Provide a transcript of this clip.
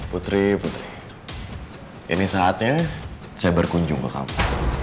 putri putri ini saatnya saya berkunjung ke kampung